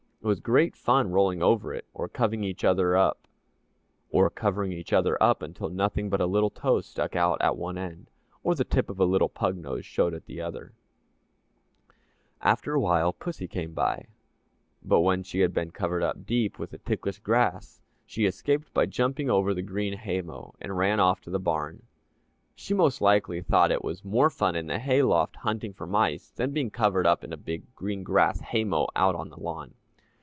It was great fun rolling over it, or covering each other up until nothing but a little toe stuck out at one end, or the tip of a little pug nose showed at the other. [Illustration: "Goodness Me, Tottie, Why Don't You Fasten the Button!"] After a while pussy came by, but when she had been covered up deep with the ticklish grass, she escaped by jumping over the green haymow, and ran off to the barn. She most likely thought it was more fun in the hay loft hunting for mice than being covered up in a big green grass hay mow out on the lawn.